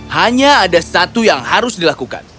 hanya ada satu yang harus dilakukan